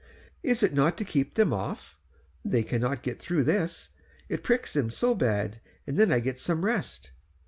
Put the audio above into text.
"Is it not to keep them off? They cannot get through this, it pricks them so bad, and then I get some rest."